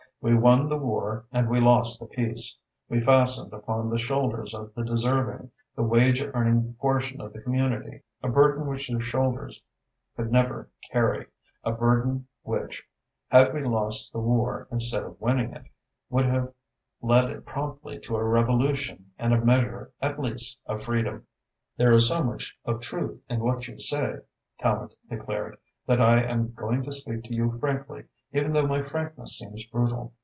We won the war and we lost the peace. We fastened upon the shoulders of the deserving, the wage earning portion of the community, a burden which their shoulders could never carry a burden which, had we lost the war instead of winning it, would have led promptly to a revolution and a measure at least of freedom." "There is so much of truth in what you say," Tallente declared, "that I am going to speak to you frankly, even though my frankness seems brutal.